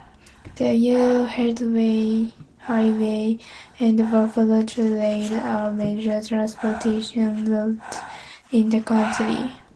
The Yellowhead Highway and Buffalo Trail are major transportation routes in the County.